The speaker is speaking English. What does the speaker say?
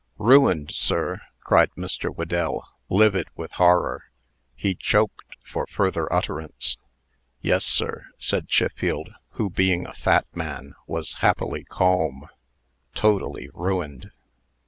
"Ruined, sir!" cried Mr. Whedell, livid with horror. He choked for further utterance. "Yes, sir," said Chiffield, who, being a fat man, was happily calm; "totally ruined."